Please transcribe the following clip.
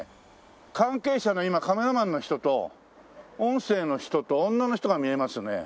関係者の今カメラマンの人と音声の人と女の人が見えますね。